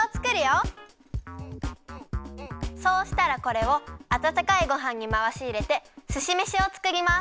そうしたらこれをあたたかいごはんにまわしいれてすしめしをつくります。